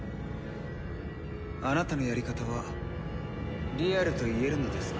あなたのやり方はリアルと言えるのですか？